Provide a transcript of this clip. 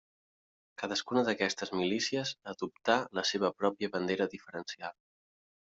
Cadascuna d'aquestes milícies adoptà la seva pròpia bandera diferencial.